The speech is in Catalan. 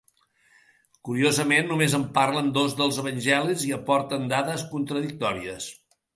Curiosament, només en parlen dos dels evangelis i aporten dades contradictòries.